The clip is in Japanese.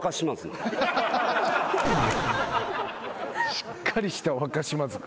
しっかりした若島津君。